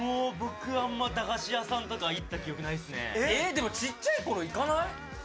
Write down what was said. でもちっちゃい頃、行かない？